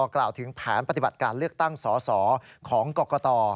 กล่าวถึงแผนปฏิบัติการเลือกตั้งสอสอของกรกต